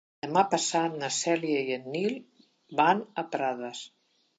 Demà passat na Cèlia i en Nil van a Prades.